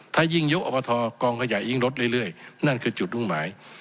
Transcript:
ถ้ายิ่งยกอบทกองขยายงลดเลยนั่นคือจุดมุมหมาย